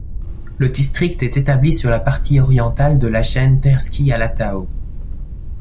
Le district est établi sur la partie orientale de la chaîne Terskey Alatau.